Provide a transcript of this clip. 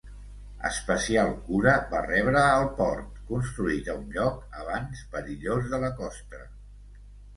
Especial cura va rebre el port construït a un lloc abans perillós de la costa.